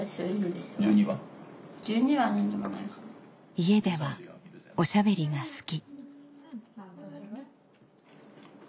家ではおしゃべりが好き。